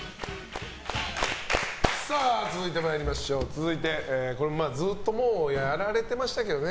続いて、もうずっとやられてましたけどね。